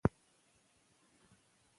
د مور او ماشوم څانګه د ملاتړ ځای دی.